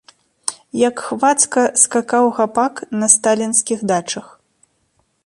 Як хвацка скакаў гапак на сталінскіх дачах!